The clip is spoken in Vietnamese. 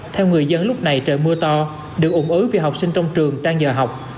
theo người dân lúc này trời mưa to được ủng ứ vì học sinh trong trường đang nhờ học